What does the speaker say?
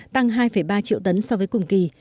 tăng hai ba triệu tấn so với cùng kỳ